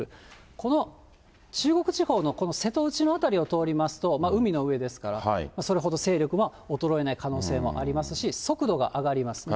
この中国地方の、この瀬戸内の辺りを通りますと、海の上ですから、それほど勢力は衰えない可能性もありますし、速度が上がります。